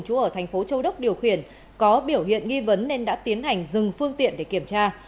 chú ở thành phố châu đốc điều khiển có biểu hiện nghi vấn nên đã tiến hành dừng phương tiện để kiểm tra